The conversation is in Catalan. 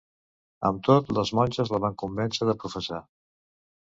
Amb tot, les monges la van convèncer de professar.